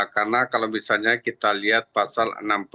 karena kalau misalnya kita lihat pasal enam puluh sembilan